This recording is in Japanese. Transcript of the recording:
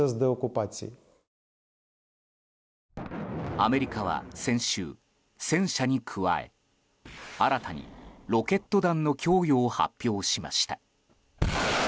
アメリカは先週、戦車に加え新たにロケット弾の供与を発表しました。